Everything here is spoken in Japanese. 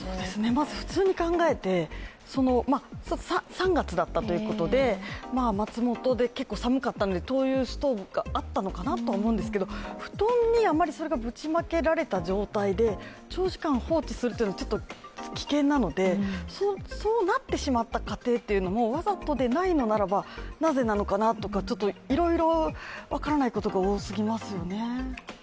まず普通に考えて、３月だったということで松本で結構寒かったので灯油ストーブがあったのかなと思うんですけど、布団にあまり、それがぶちまけられた状態で長時間放置するというのはちょっと危険なのでそうなってしまった過程というのもわざとでないのであればなぜなのかなとか、いろいろ分からないことが多すぎますよね。